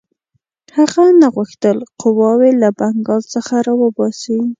هغه نه غوښتل قواوې له بنګال څخه را وباسي.